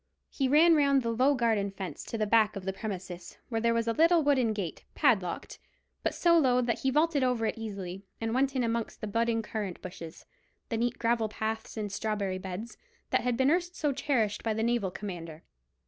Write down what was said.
He ran round the low garden fence to the back of the premises, where there was a little wooden gate, padlocked, but so low that he vaulted over it easily, and went in amongst the budding currant bushes, the neat gravel paths and strawberry beds, that had been erst so cherished by the naval commander.